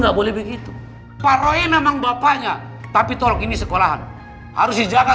cepet tampar gue sekarang